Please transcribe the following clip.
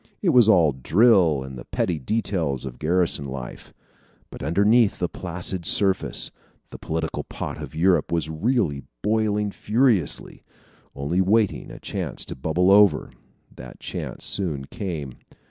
It was all drill and the petty details of garrison life. But underneath the placid surface, the political pot of Europe was really boiling furiously only waiting a chance to bubble over. That chance soon came.